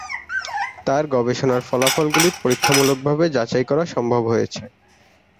তার গবেষণার ফলাফলগুলি পরীক্ষামূলকভাবে যাচাই করা সম্ভব হয়েছে।